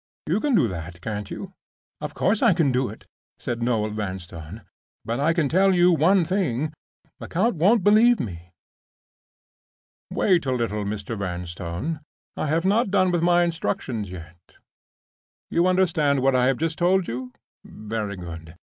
You can do that, can't you?" "Of course I can do it," said Noel Vanstone. "But I can tell you one thing—Lecount won't believe me." "Wait a little, Mr. Vanstone; I have not done with my instructions yet. You understand what I have just told you? Very good.